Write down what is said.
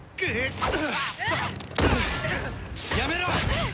やめろ！